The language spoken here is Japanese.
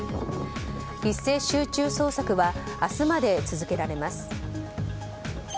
一斉集中捜索は明日まで続けられます。